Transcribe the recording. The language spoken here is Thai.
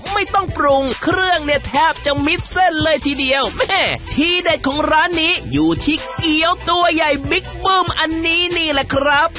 ไม่ต้องปรุงเครื่องเนี่ยแทบจะมิดเส้นเลยทีเดียวแม่ที่เด็ดของร้านนี้อยู่ที่เกี๊ยวตัวใหญ่บิ๊กปึ้มอันนี้นี่แหละครับ